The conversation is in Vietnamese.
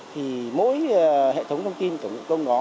thì mỗi hệ thống thông tin cổng vụ công đó